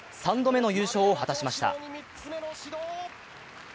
３度目の優勝を果たしました。